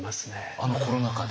あのコロナ禍で？